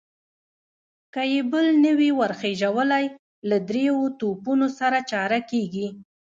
که يې بل نه وي ور خېژولی، له درېيو توپونو سره چاره کېږي.